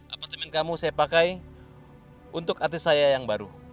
apartemen kamu saya pakai untuk artis saya yang baru